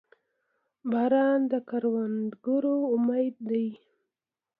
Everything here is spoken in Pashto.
• باران د کروندګرو امید دی.